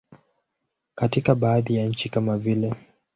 Katika baadhi ya nchi kama vile.